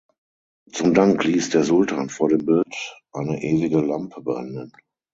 Zum Dank ließ der Sultan vor dem Bild eine ewige Lampe brennen.